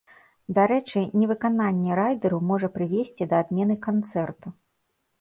Дарэчы, невыкананне райдэру можа прывесці да адмены канцэрту.